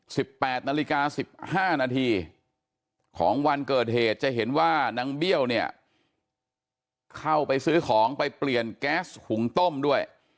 แปดนาฬิกาสิบห้านาทีของวันเกิดเหตุจะเห็นว่านางเบี้ยวเนี่ยเข้าไปซื้อของไปเปลี่ยนแก๊สหุงต้มด้วย